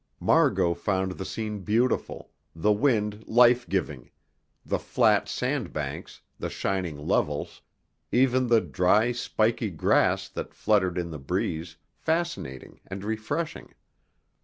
Margot found the scene beautiful, the wind life giving, the flat sand banks, the shining levels, even the dry, spiky grass that fluttered in the breeze, fascinating and refreshing.